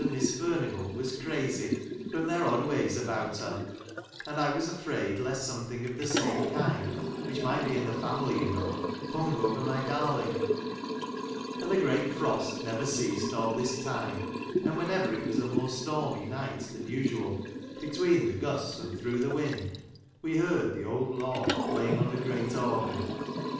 Miss Furnivall was crazy, from their odd ways about her ; and I was afraid lest some I thing of the same kind (which might be in | the family, you know) hung over my darling, j ; And the great frost never ceased all this time ;' and, whenever it was a more stormy night || than usual, between the gusts, and through li the wind, we heard the old lord playing on j i the great organ.